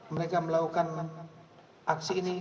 mereka melakukan aksi ini